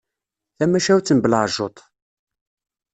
Tamacahut n belɛejjuṭ.